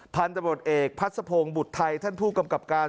พันธบทเอกพัทสะพงศ์บุตรไทยท่านผู้กำกับการ